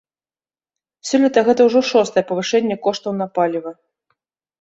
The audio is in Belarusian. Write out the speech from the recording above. Сёлета гэта ўжо шостае павышэнне коштаў на паліва.